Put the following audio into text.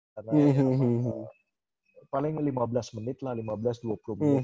karena paling lima belas menit lah lima belas dua puluh menit gitu